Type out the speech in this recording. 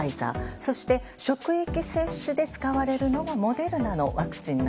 そして、職域接種で使われるのがモデルナのワクチン。